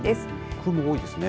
雲、多いですね。